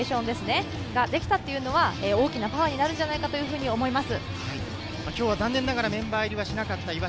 それができたというのは大きなパワーになるのではないかと思います。